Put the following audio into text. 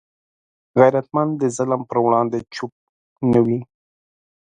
غیرتمند د ظلم پر وړاندې چوپ نه وي